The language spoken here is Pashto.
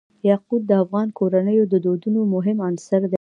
یاقوت د افغان کورنیو د دودونو مهم عنصر دی.